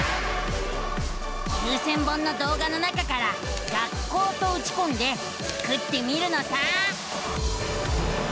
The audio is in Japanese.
９，０００本の動画の中から「学校」とうちこんでスクってみるのさ！